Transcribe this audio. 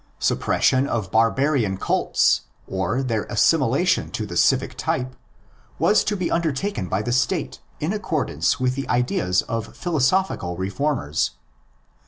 Suppression of barbarian cults, or their assimilation to the civic type, was to be undertaken by the State in accordance with the ideas of philosophical reformers.